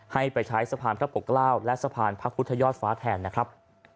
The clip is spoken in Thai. ให้ไปใช้สะพานพระปกเกล้าและสะพานพระพุทธยอดฟ้าแทนนะครับ